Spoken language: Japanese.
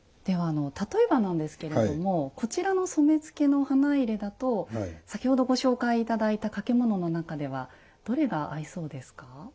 ではあの例えばなんですけれどもこちらの染付の花入だと先ほどご紹介頂いた掛物の中ではどれが合いそうですか？